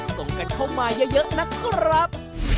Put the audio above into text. ส่งกันเข้ามาเยอะนะครับ